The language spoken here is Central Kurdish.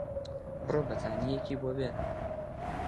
بڕۆ بەتانییەکی بۆ بێنە.